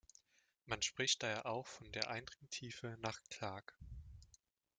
Man spricht daher auch von der "Eindringtiefe nach Clark".